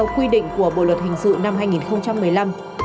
của bộ luật hình sự năm hai nghìn một mươi năm